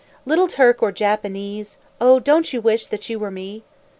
Little Turk or Japanee, O! Don't you wish that you were me?